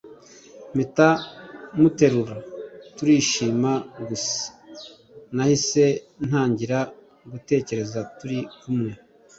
mpita muterura turishima gusa nahise ntangira gutekereza turi kumwe